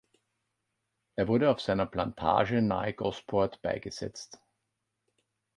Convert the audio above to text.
Er wurde auf seiner Plantage nahe Gosport beigesetzt.